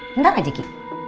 bentar aja ki